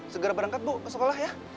segera berangkat bu ke sekolah ya